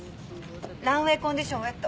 ランウェイコンディションウェット。